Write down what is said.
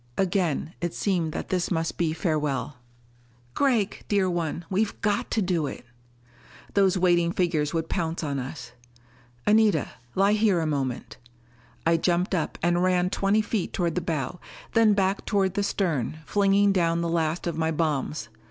Again it seemed that this must be farewell. "Gregg, dear one, we've got to do it!" Those waiting figures would pounce on us. "Anita, lie here a moment." I jumped up and ran twenty feet toward the bow; then back toward the stern, flinging down the last of my bombs.